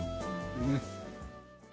ねっ。